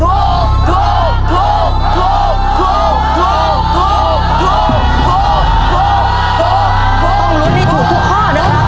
แล้วต้องลุ้นได้ถูกทุกข้อนะครับ